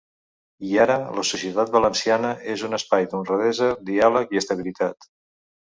I, ara, la societat valenciana és un espai d’honradesa, diàleg i estabilitat.